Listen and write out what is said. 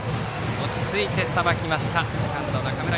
落ち着いてさばきました。